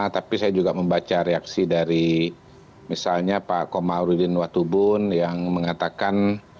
tapi saya juga membaca reaksi dari misalnya pak komarudin watubun yang mengatakan